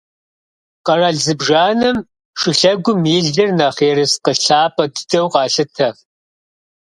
Къэрал зыбжанэм шылъэгум и лыр нэхъ ерыскъы лъапӏэ дыдэу къалъытэ.